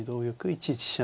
１一飛車